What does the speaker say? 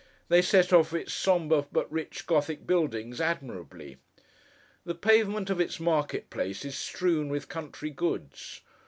They set off its sombre but rich Gothic buildings admirably. The pavement of its market place is strewn with country goods.